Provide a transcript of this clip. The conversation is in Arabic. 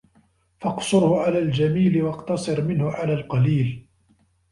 فَاقْصُرْهُ عَلَى الْجَمِيلِ وَاقْتَصِرْ مِنْهُ عَلَى الْقَلِيلِ